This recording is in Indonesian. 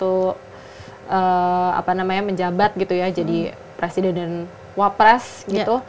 sama jika nanti prabowo dan juga gibran itu menjabat gitu ya jadi presiden dan wapres gitu